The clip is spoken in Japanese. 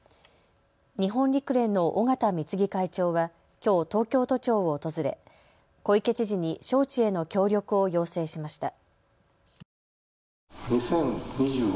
日本陸連の尾縣貢会長はきょう東京都庁を訪れ小池知事に招致への協力を要請しました。